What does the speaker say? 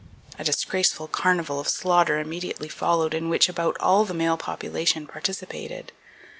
A disgraceful carnival of slaughter immediately followed in which "about all the male population" participated.